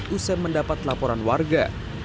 usai mendapat laporan warga